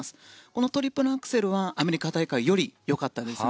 このトリプルアクセルはアメリカ大会より良かったです。